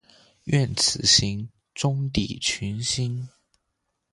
愿此行，终抵群星。